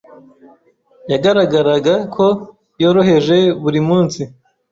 Yagaragaraga ko yoroheje buri munsi.